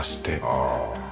ああ。